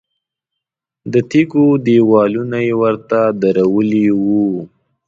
د تیږو دیوالونه یې ورته درولي وو.